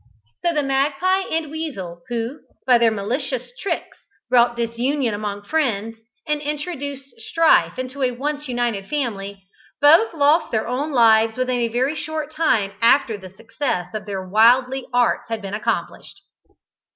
So the magpie and weasel, who, by their malicious tricks brought disunion among friends, and introduced strife into a once united family, both lost their own lives within a very short time after the success of their wily arts had been accomplished.